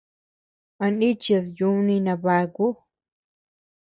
¿A nichid yúni nabaku?